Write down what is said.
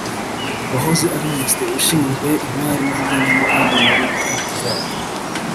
wahoze ari Minisitiri ushinzwe Imari n’Igenamigambi muri Cap Vert